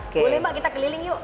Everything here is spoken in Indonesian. boleh mbak kita keliling yuk